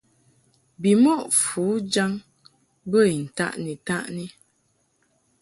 Bimɔʼ fujaŋ bə I ntaʼni-taʼni.